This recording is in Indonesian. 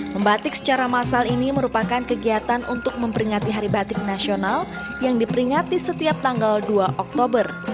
mereka akan membuat kegiatan untuk memperingati hari batik nasional yang diperingati setiap tanggal dua oktober